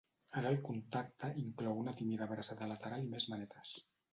Ara el contacte inclou una tímida abraçada lateral i més manetes.